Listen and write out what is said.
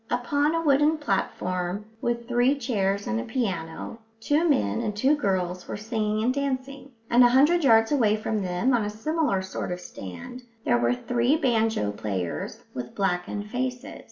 Upon a wooden platform, with three chairs and a piano, two men and two girls were singing and dancing; and a hundred yards away from them, on a similar sort of stand, there were three banjo players with blackened faces.